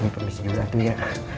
permisi jauh satu ya